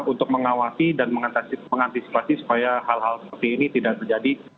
untuk mengawasi dan mengantisipasi supaya hal hal seperti ini tidak terjadi